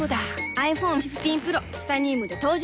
ｉＰｈｏｎｅ１５Ｐｒｏ チタニウムで登場